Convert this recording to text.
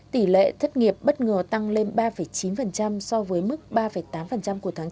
tỷ lệ thất nghiệp bất ngờ tăng lên ba chín so với mức ba tám của tháng chín